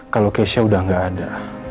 kalau keisha udah gak ada